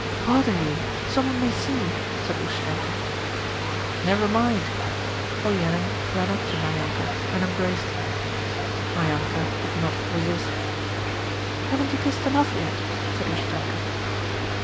'Bother you, someone may see...' said Ustenka. 'Never mind!' Olenin ran up to Maryanka and embraced her. Maryanka did not resist. 'Haven't you kissed enough yet?' said Ustenka.